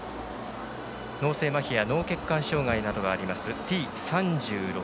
脳性まひや脳血管障がいなどがあるＴ３６。